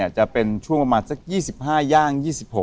จะเป็นช่วงประมาณสัก๒๕ย่าง๒๖